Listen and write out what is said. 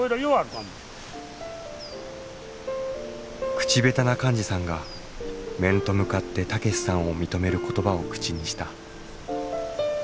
口下手な寛司さんが面と向かって武さんを認める言葉を口にした。